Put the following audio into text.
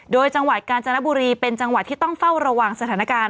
โดยจังหวัดกาญจนบุรีเป็นจังหวัดที่ต้องเฝ้าระวังสถานการณ์